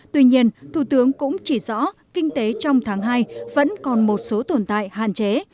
tuy nhiên thủ tướng cũng chỉ rõ kinh tế trong tháng hai vẫn còn một số tồn tại hạn chế